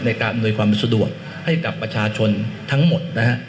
อำนวยความสะดวกให้กับประชาชนทั้งหมดนะฮะ